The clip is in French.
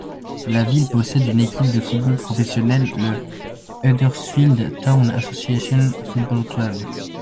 La ville possède une équipe de football professionnelle, le Huddersfield Town Association Football Club.